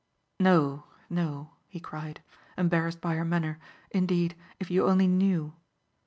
"No, no," he cried, embarrassed by her manner, "Indeed if you only knew."